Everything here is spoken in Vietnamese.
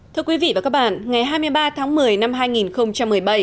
thưa quý vị và các bạn ngày hai mươi ba tháng một mươi năm hai nghìn một mươi bảy